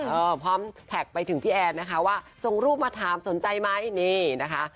พร้อมแท็กไปถึงพี่แอนนะคะว่าส่งรูปมาถามสนใจไหมนี่นะคะ